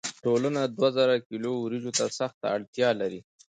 ټولنه دوه زره کیلو وریجو ته سخته اړتیا لري.